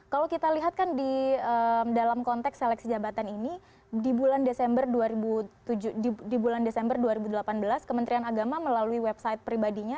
kalau kita lihat kan di dalam konteks seleksi jabatan ini di bulan desember di bulan desember dua ribu delapan belas kementerian agama melalui website pribadinya